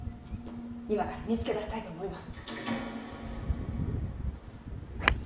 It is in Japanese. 今から見つけ出したいと思います。